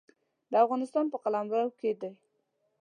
د افغانستان په قلمرو کې دی.